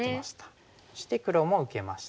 そして黒も受けまして。